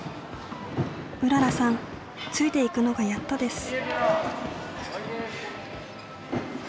うららさんついていくのがやっとです。